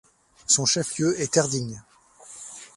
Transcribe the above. Son chef lieu est Erding.